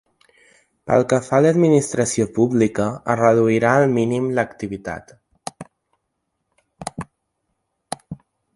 Pel que fa a l’administració pública, es reduirà al mínim l’activitat.